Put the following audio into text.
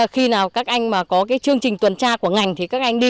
khi nào các anh mà có cái chương trình tuần tra của ngành thì các anh đi